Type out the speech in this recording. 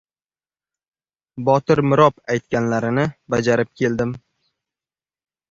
Botir mirob aytganlarini bajarib keldim.